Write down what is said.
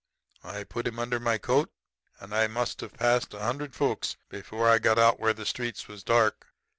I put him under my coat, and I must have passed a hundred folks before I got out where the streets was dark.